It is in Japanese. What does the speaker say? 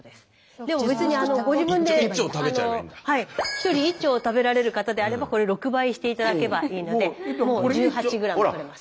１人１丁食べられる方であればこれ６倍して頂けばいいのでもう１８ｇとれます。